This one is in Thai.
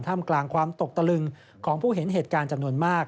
มกลางความตกตะลึงของผู้เห็นเหตุการณ์จำนวนมาก